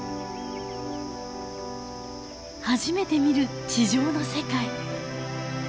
初めて見る地上の世界。